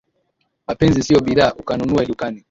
Mapenzi sio bidhaa ukanunue dukani